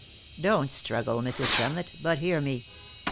Don't struggle, Mrs. Tremlett, but hear me.